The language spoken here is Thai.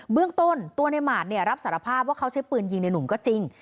เบื้องต้นตัวในหมาดรับสารภาพว่าเขาใช้ปืนยิงในหนุ่มก็จริง